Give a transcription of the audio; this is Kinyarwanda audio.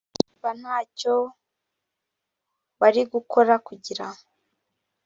ba nta cyo wari gukora kugira